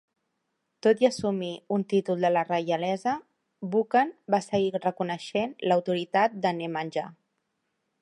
Tot i assumir un títol de la reialesa, Vukan va seguir reconeixent l'autoritat de Nemanja.